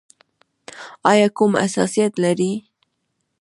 ایا کوم حساسیت لرئ؟